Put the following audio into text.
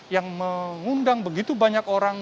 yang mengundang begitu banyak orang